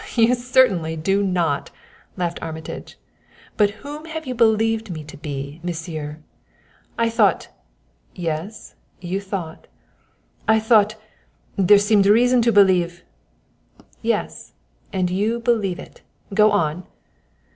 You certainly do not!" laughed Armitage; "but whom have you believed me to be, Monsieur?" "I thought " "Yes; you thought " "I thought there seemed reasons to believe " "Yes; and you believe it; go on!"